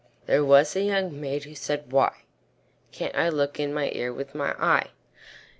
There was a young maid who said, "Why Can't I look in my ear with my eye?